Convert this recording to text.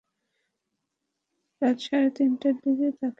রাত সাড়ে তিনটার দিকে তাঁকে ঢাকা মেডিকেল কলেজ হাসপাতালে নেওয়া হয়।